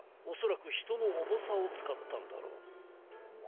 おそらくひとのおもさをつかったんだろう。